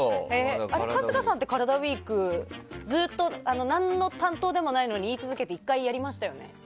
春日さんってカラダＷＥＥＫずっと何の担当でもないのに言い続けて、１回やりましたよね。